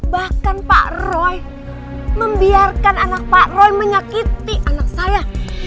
bahkan pak roy membiarkan anak pak roy menyakiti anak saya